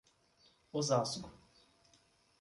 Osasco